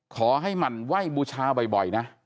ขอให้มันไหว้บุชาบ่อยนะ